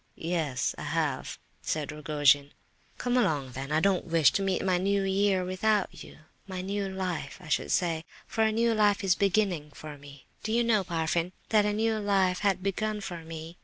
"Yes, I have," said Rogojin. "Come along, then. I don't wish to meet my new year without you—my new life, I should say, for a new life is beginning for me. Did you know, Parfen, that a new life had begun for me?"